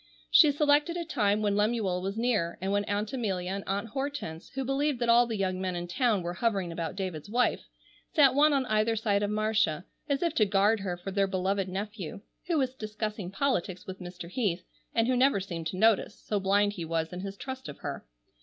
She selected a time when Lemuel was near, and when Aunt Amelia and Aunt Hortense, who believed that all the young men in town were hovering about David's wife, sat one on either side of Marcia, as if to guard her for their beloved nephew—who was discussing politics with Mr. Heath—and who never seemed to notice, so blind he was in his trust of her.